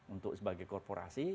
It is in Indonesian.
untuk sebagai korporasi